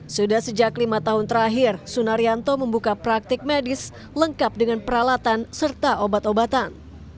sudah sejak lima tahun terakhir sunaryanto membuka praktik medis lengkap dengan peralatan serta obat obatan